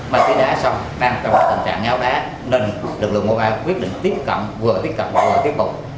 mà tí đá xong đang trong tình trạng ngáo đá nên lực lượng một trăm một mươi ba quyết định tiếp cận vừa tiếp cận vừa tiếp bục